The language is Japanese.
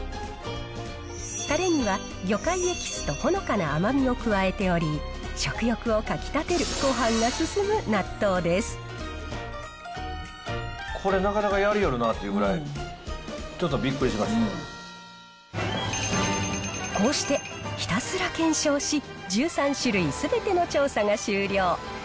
たれには魚介エキスとほのかな甘みを加えており、食欲をかきたてる、これなかなかやりよるなっていうぐらい、こうして、ひたすら検証し、１３種類すべての調査が終了。